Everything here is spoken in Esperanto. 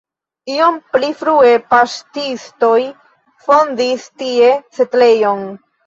Iom pli frue paŝtistoj fondis tie setlejon.